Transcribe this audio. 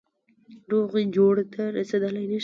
روغي جوړي ته رسېدلای نه سي.